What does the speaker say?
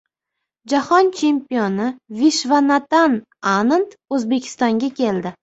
Jahon chempioni Vishvanatan Anand O‘zbekistonga keldi